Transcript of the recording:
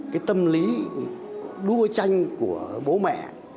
cái tâm lý đua tranh của bố mẹ